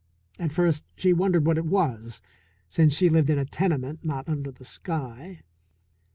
At first she wondered what it was, since she lived in a tenement, not under the sky.